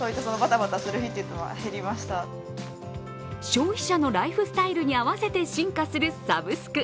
消費者のライフスタイルに合わせて進化するサブスク。